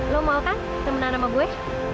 lo mau kan temenan sama gue